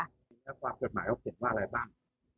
จริงแล้วความจดหมายเขาเขียนว่าอะไรบ้าง